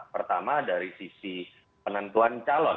pertama dari sisi penentuan calon